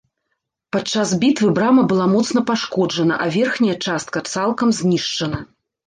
Падчас бітвы брама была моцна пашкоджана, а верхняя частка цалкам знішчана.